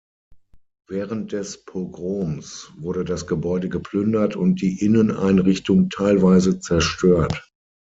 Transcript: Während des Pogroms wurde das Gebäude geplündert und die Inneneinrichtung teilweise zerstört.